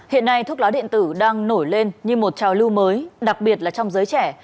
hiện nay thuốc lá điện tử đang nổi lên như một trào lưu mới đặc biệt là trong giới trẻ